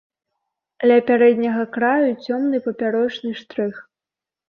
Ля пярэдняга краю цёмны папярочны штрых.